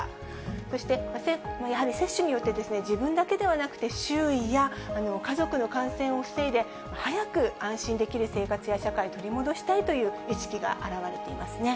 そしてやはり接種によって自分だけではなくて、周囲や家族の感染を防いで、早く安心できる生活や社会を取り戻したいという意識が表れていますね。